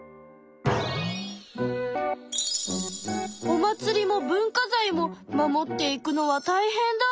お祭りも文化財も守っていくのはたいへんだ！